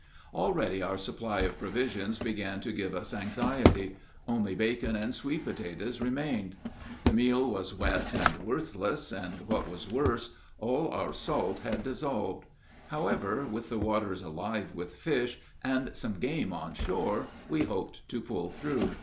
Already our supply of provisions began to give us anxiety: only bacon and sweet potatoes remained. The meal was wet and worthless, and, what was worse, all our salt had dissolved. However, with the waters alive with fish, and some game on shore, we hoped to pull through.